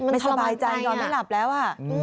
ไม่สบายใจนอนไม่หลับแล้ว